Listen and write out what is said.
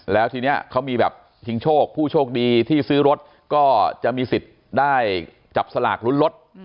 แล้วทีนี้เขามีแบบทิ้งโชคผู้โชคดีที่ซื้อรถก็จะมีสิทธิ์ได้จับสลากลุ้นรถ